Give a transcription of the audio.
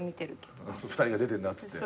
２人が出てんなっつって？